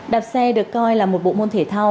đạp xe được coi là một bộ môn thể thao